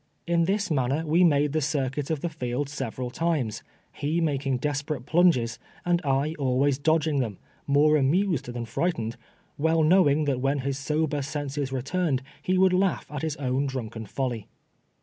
In this manner we made the circuit of the field several times, he making desperate plunges, and I always dodging them, moi'o amused than frightened, ■well knowing that when his sober senses returned, he would laugh at his own drunken folly.